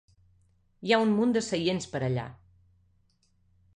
Hi ha un munt de seients per allà.